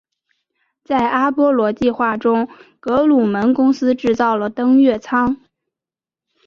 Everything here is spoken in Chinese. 在阿波罗计划中格鲁门公司制造了登月舱。